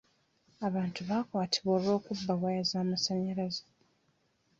Abantu baakwatibwa olwokubba waya z'amasanyalaze.